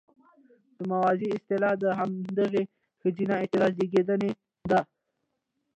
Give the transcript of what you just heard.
د موذي اصطلاح د همدغې ښځينه اعتراض زېږنده دى: